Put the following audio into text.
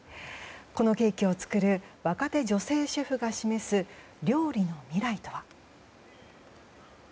このケーキを作る若手女性シェフが示す料理の未来とは。